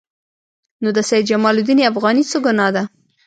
نو د سید جمال الدین افغاني څه ګناه ده.